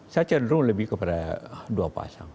saya cenderung lebih kepada dua pasang